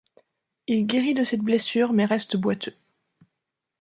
Il guérit de cette blessure mais reste boiteux.